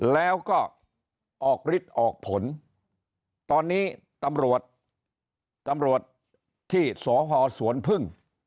แล้วก็ออกฤทธิ์ออกผลตอนนี้ตำรวจตำรวจที่สพสวนพึ่ง